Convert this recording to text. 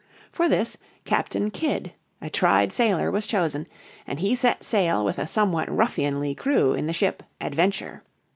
For this, Captain Kidd, a tried sailor, was chosen, and he set sail with a somewhat ruffianly crew in the ship Adventure.